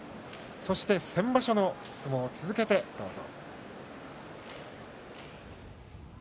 そして、先場所の相撲と続けてどうぞ。